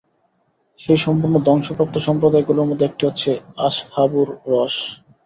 সেই সম্পূর্ণ ধ্বংসপ্রাপ্ত সম্প্রদায়গুলোর মধ্যে একটি হচ্ছে আসহাবুর রসস।